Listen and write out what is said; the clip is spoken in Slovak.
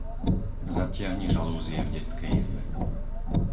Zatiahni žalúzie v detskej izbe.